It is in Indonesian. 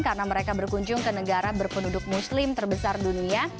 karena mereka berkunjung ke negara berpenduduk muslim terbesar dunia